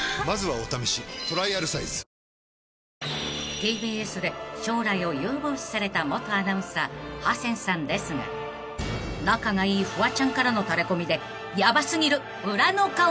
［ＴＢＳで将来を有望視された元アナウンサーハセンさんですが仲がいいフワちゃんからの］